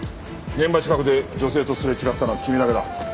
現場近くで女性とすれ違ったのは君だけだ。